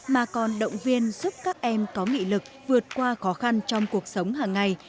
mà còn động viên giúp các em có nghị lực vượt qua khó khăn trong cuộc sống hàng ngày